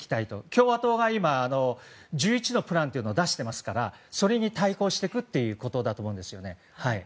共和党が今、１１のプランを出していますからそれに対抗していくということだと思うんですよね。